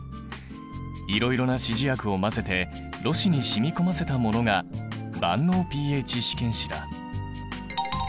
いろいろな指示薬を混ぜてろ紙にしみこませたものが万能ｐＨ試験紙だ。